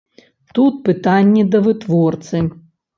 Тут пытанні да вытворцы.